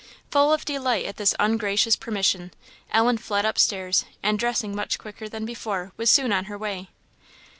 Full of delight at this ungracious permission, Ellen fled up stairs, and dressing much quicker than before, was soon on her way.